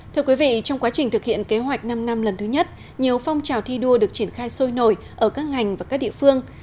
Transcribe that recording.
thưa quý vị trong quá trình thực hiện kế hoạch năm năm lần thứ nhất nhiều phong trào thi đua được triển khai sôi nổi ở các ngành và các địa phương